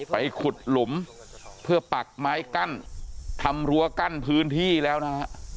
ไปขุดหลุมเพื่อปักไม้กั้นทำรั้วกั้นพื้นที่แล้วนะฮะ